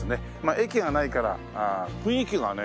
駅がないから雰囲気がね